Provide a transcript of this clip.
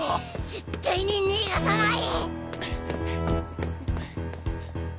絶対に逃がさない！